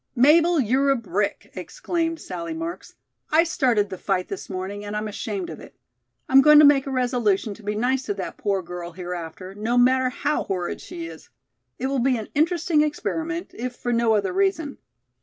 "Mabel, you're a brick!" exclaimed Sallie Marks. "I started the fight this morning and I'm ashamed of it. I'm going to make a resolution to be nice to that poor girl hereafter, no matter how horrid she is. It will be an interesting experiment, if for no other reason."